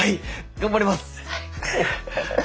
頑張ります！